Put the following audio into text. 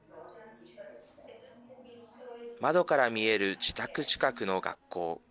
窓から見える自宅近くの学校。